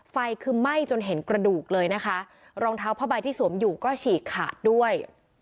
ไฟคือไหม้จนเห็นกระดูกเลยนะคะรองเท้าผ้าใบที่สวมอยู่ก็ฉีกขาดด้วย